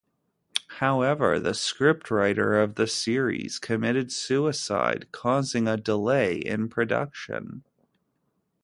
However, the scriptwriter of the series committed suicide, causing a delay in production.